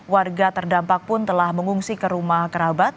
warga terdampak pun telah mengungsi ke rumah kerabat